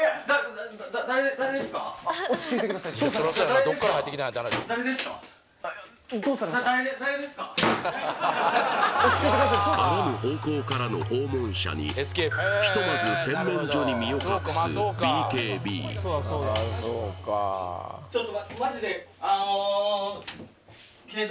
あらぬ方向からの訪問者にひとまず洗面所に身を隠すＢＫＢはっ？